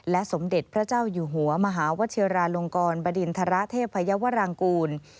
สมเด็จพระเจ้าอยู่หัวมหาวชิราลงกรบดินทรเทพยาวรางกูล